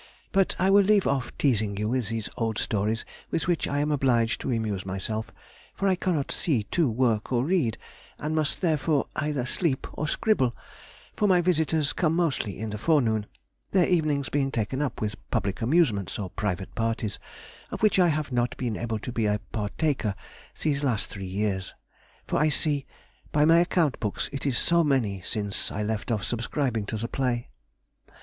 But I will leave off teazing you with these old stories with which I am obliged to amuse myself, for I cannot see to work or read, and must therefore either sleep or scribble, for my visitors come mostly in the forenoon, their evenings being taken up with public amusements or private parties, of which I have not been able to be a partaker these three years, for I see by my account books it is so many since I left off subscribing to the play.